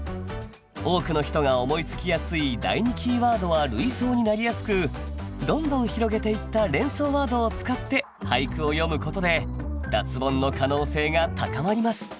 多くの人が思いつきやすい第２キーワードは類想になりやすくどんどん広げていった連想ワードを使って俳句を詠むことで脱ボンの可能性が高まります。